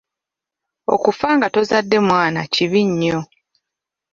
Okufa nga tozadde mwana kibi nnyo.